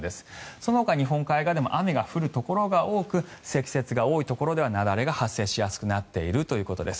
そのほか、日本海側でも雨が降るところが多く積雪が多いところでは雪崩が発生しやすくなっているということです。